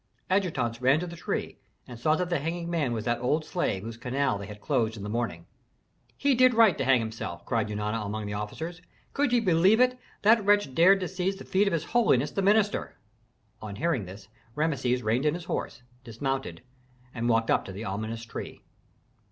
Adjutants ran to the tree, and saw that the hanging man was that old slave whose canal they had closed in the morning. "He did right to hang himself!" cried Eunana among the officers. "Could ye believe it, that wretch dared to seize the feet of his holiness the minister!" On hearing this, Rameses reined in his horse, dismounted, and walked up to the ominous tree.